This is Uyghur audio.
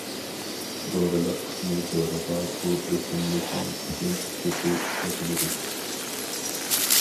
دورىلىق قىسمى دورىغا بۇ ئۆسۈملۈكنىڭ پۈتۈن چۆپى ئىشلىتىلىدۇ.